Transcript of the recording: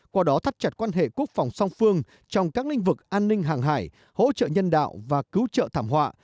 qua đó thắt chặt quan hệ quốc phòng song phương trong các lĩnh vực an ninh hàng hải hỗ trợ nhân đạo và cứu trợ thảm họa